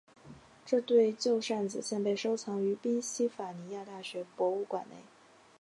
这对旧扇子现被收藏于宾夕法尼亚大学博物馆内。